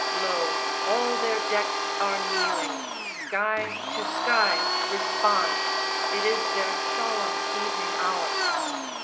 Lo, all their decks are kneeling! Sky to sky Responds! It is their solemn evening hour.